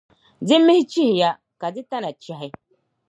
di mihi chihiya, ka di tana chahi.